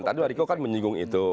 tadi riko kan menyinggung itu